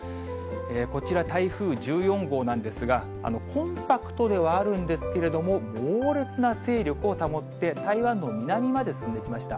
こちら、台風１４号なんですが、コンパクトではあるんですけれども、猛烈な勢力を保って、台湾の南まで進んできました。